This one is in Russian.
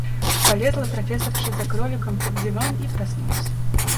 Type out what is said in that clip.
Полезла профессорша за кроликом под диван и проснулась.